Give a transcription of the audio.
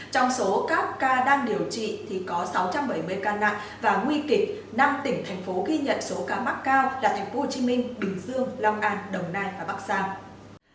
trong số các ca đang điều trị thì có sáu trăm bảy mươi ca nặng và nguy kịch năm tỉnh thành phố ghi nhận số ca mắc cao là thành phố hồ chí minh bình dương long an đồng nai và bắc giang